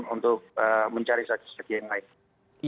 untuk mencari saksi saksi yang lain